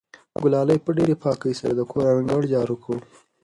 ګلالۍ په ډېرې پاکۍ سره د کور انګړ جارو کړ.